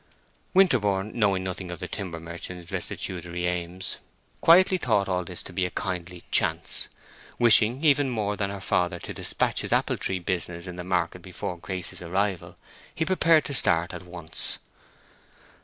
Winterborne, knowing nothing of the timber merchant's restitutory aims, quietly thought all this to be a kindly chance. Wishing even more than her father to despatch his apple tree business in the market before Grace's arrival, he prepared to start at once.